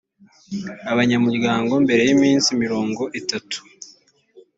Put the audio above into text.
abanyamuryango mbere y iminsi mirongo itatu